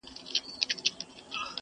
ويل زه يوه مورکۍ لرم پاتيږي.!